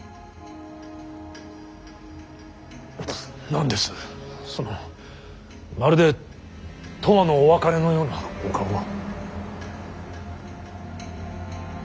何ですそのまるで永遠のお別れのようなお顔は。